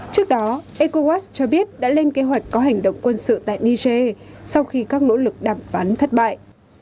trước đó ecowas cho biết đã lên kế hoạch có hành động quân sự tại niger sau khi các nỗ lực đàm phán thất bại